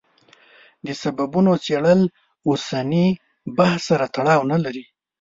د سببونو څېړل اوسني بحث سره تړاو نه لري.